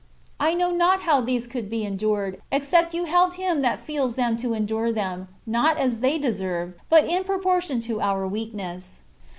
I know not how these could be endured, except you helped him that feels them to endure them, not as they deserve, but in proportion to our weakness.